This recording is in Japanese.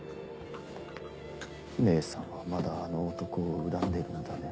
姉さんはまだあの男を恨んでるんだね。